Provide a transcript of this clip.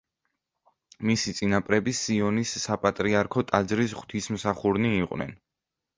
მისი წინაპრები სიონის საპატრიარქო ტაძრის ღვთისმსახურნი იყვნენ.